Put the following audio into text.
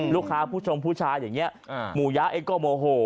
ลูกค้าผู้ชมผู้ชายอย่างเงี้ยหมู่ยะเอก็โมโห